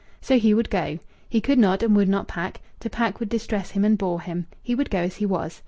So he would go. He could not and would not pack; to pack would distress him and bore him; he would go as he was.